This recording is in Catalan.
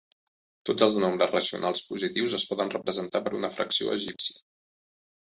Tots els nombres racionals positius es poden representar per una fracció egípcia.